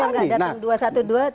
jadi yang gak datang dua ratus dua belas